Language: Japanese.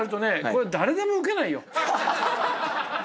これ誰でもウケないよ。